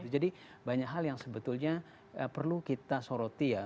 jadi banyak hal yang sebetulnya perlu kita soroti ya